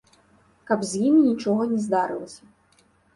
Каб з імі нічога не здарылася.